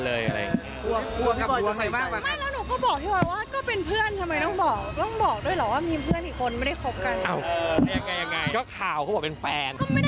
ก่อนที่พี่นักข่าวจะลากบอยมาสัมภาษณ์คู่เมื่อชิปปี้บอกถ้าเฮียบอยให้อังปาวจะยอมเป็นแฟนอ้าวงานนี้ฟินขนาดไหนไปดูกันค่ะ